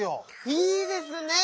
いいですねぇ！